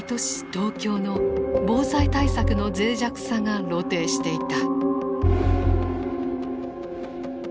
東京の防災対策のぜい弱さが露呈していた。